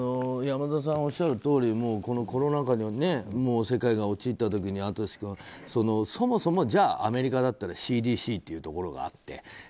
山田さんがおっしゃるとおりこのコロナ禍に世界が陥った時に淳君、そもそもアメリカだったらＣＤＣというところがあって